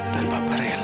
dan bapak rela